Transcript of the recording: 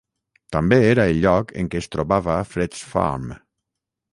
També era el lloc en què es trobava Fretz Farm.